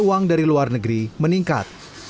uang dari luar negeri meningkat